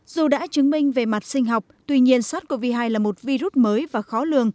dù đã chứng minh về mặt sinh học tuy nhiên sars cov hai là một virus mới